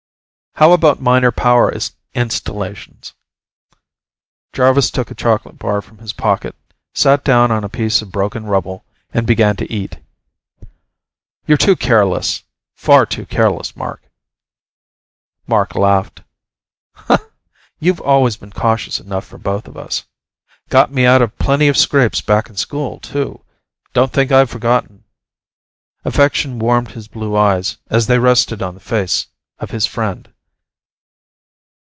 "How about minor power installations?" Jarvis took a chocolate bar from his pocket, sat down on a piece of broken rubble and began to eat. "You're too careless far too careless, Mark." Mark laughed. "You've always been cautious enough for both of us. Got me out of plenty of scrapes back in school, too. Don't think I've forgotten." Affection warmed his blue eyes as they rested on the face of his friend.